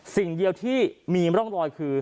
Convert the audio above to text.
สิ่งเดียวที่มีร่องรอยคือ